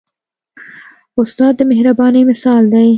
استاد د مهربانۍ مثال دی.